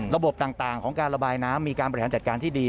ระบบต่างของการระบายน้ำมีการบริหารจัดการที่ดี